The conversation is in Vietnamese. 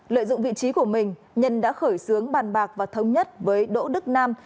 lợi dụng vị trí của mình nhân đã khởi xướng bàn bạc và thống nhất với đỗ đức nam